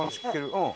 うん。